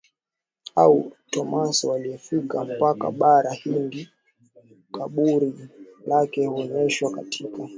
au Tomaso aliyefika mpaka Bara Hindi Kaburi lake huonyeshwa katika